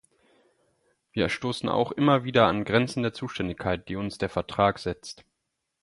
Wir stoßen auch immer wieder an Grenzen der Zuständigkeit, die uns der Vertrag setzt.